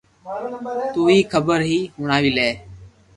تو ھي خبر ھي ھڻاوي لي